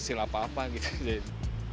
saya sudah hasil apa apa